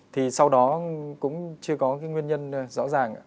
thì sau đó cũng chưa có cái nguyên nhân rõ ràng